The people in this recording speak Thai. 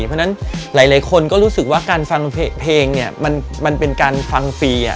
เพราะฉะนั้นหลายคนก็รู้สึกว่าการฟังเพลงเนี่ยมันเป็นการฟังฟรี